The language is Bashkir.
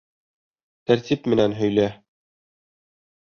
Тәртип менән һөйлә.